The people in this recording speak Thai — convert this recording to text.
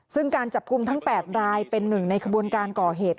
ซึ่งการจับกลุ่มทั้ง๘รายเป็นหนึ่งในขบวนการก่อเหตุ